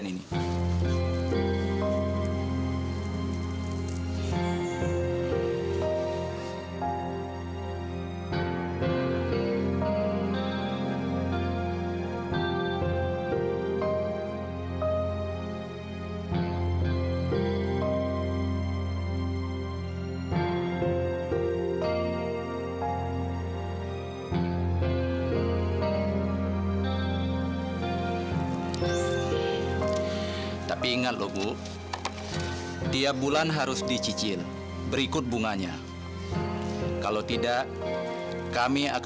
n ein ulang room tiga di tingkat spl